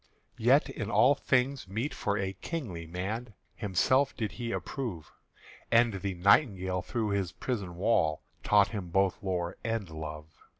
Yet in all things meet for a kingly man Himself did he approve; And the nightingale through his prison wall Taught him both lore and love.